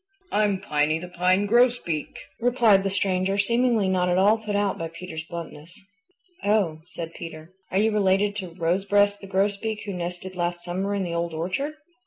"I'm Piny the Pine Grosbeak," replied the stranger, seemingly not at all put out by Peter's bluntness. "Oh," said Peter. "Are you related to Rosebreast the Grosbeak who nested last summer in the Old Orchard?"